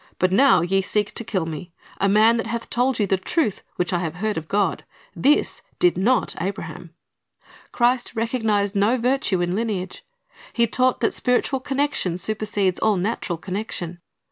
But now ye seek to kill Me, a man that hath told }'ou the truth, which I have heard of God. This did not Abraham."'' Christ recognized no virtue in lineage. He taught that spiritual connection supersedes all natural connection.